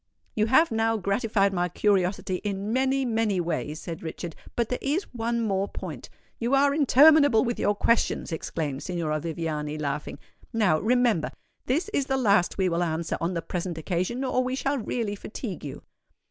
"You have now gratified my curiosity in many—many ways," said Richard; "but there is one more point——" "You are interminable with your questions," exclaimed Signora Viviani, laughing. "Now, remember—this is the last we will answer on the present occasion, or we shall really fatigue you."